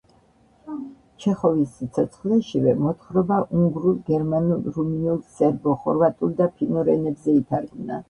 ჩეხოვის სიცოცხლეშივე მოთხრობა უნგრულ, გერმანულ, რუმინულ, სერბო-ხორვატულ და ფინურ ენებზე ითარგმნა.